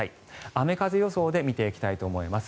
雨風予想で見ていきたいと思います。